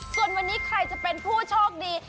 ส่วนวันนี้ใครจะเป็นผู้โชคดี